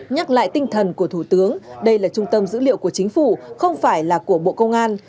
nhắc lại tinh thần của thủ tướng đây là trung tâm dữ liệu của chính phủ không phải là của bộ công an